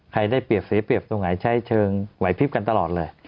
ได้เปรียบเสียเปรียบตรงไหนใช้เชิงไหวพลิบกันตลอดเลย